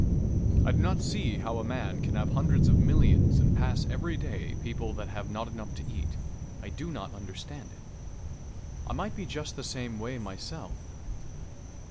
I do not see how a man can have hundreds of millions and pass every day people that have not enough to eat. I do not understand it. I might be just the same way myself.